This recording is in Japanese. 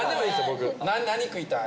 僕何食いたい？